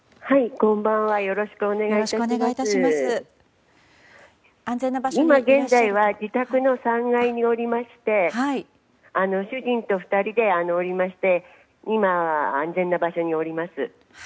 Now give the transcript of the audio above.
今、現在は自宅の３階におりまして主人と２人でおりまして今は、安全な場所におります。